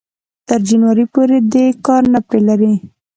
تر جنوري پورې دې کار نه پرې لري